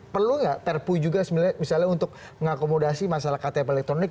perlu nggak perpu juga sebenarnya misalnya untuk mengakomodasi masalah ktp elektronik